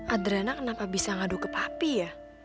adrena kenapa bisa ngaduk ke papi ya